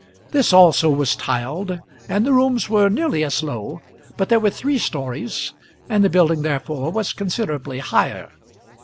This also was tiled, and the rooms were nearly as low; but there were three stories, and the building therefore was considerably higher.